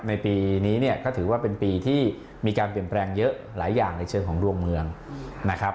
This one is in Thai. ในปีนี้เนี่ยก็ถือว่าเป็นปีที่มีการเปลี่ยนแปลงเยอะหลายอย่างในเชิงของดวงเมืองนะครับ